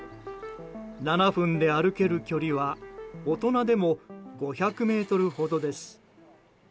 ７分で歩ける距離は大人でも５００ｍほどです。